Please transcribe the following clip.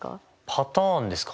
パターンですか？